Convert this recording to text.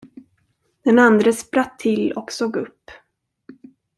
Den andre spratt till och såg upp.